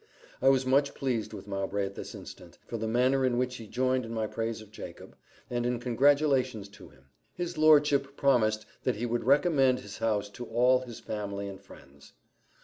I was much pleased with Mowbray at this instant, for the manner in which he joined in my praise of Jacob, and in congratulations to him. His lordship promised that he would recommend his house to all his family and friends.